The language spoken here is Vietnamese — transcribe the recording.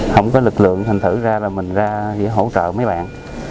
không có lực lượng thành thử ra là mình ra để hỗ trợ mấy bạn